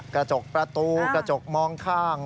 กระจกประตูกระจกมองข้าง